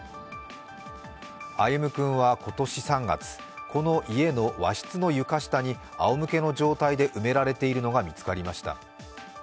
歩夢君は今年３月、この家の和室の床下にあおむけの状態で埋められているのが見つかりました。